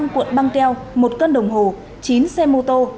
một mươi năm cuộn băng keo một cân đồng hồ chín xe mô tô